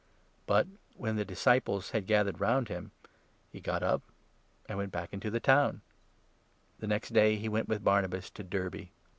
But, when the disciples had gathered round him, he got 20 up and went back into the town ; the next day he went with Barnabas to Derbe.